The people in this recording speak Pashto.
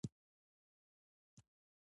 د کرونا وبا ده مګر ترڅنګ يې سياسي, تاريخي,